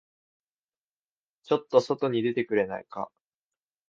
ちょっと外に出てくれないか。